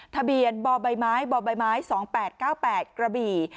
ทะเบียนบใบไม้บ่อใบไม้๒๘๙๘กระบี่